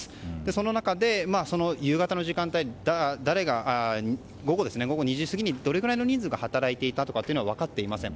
その中で午後２時過ぎにどれくらいの人数が働いていたのかは分かっていません。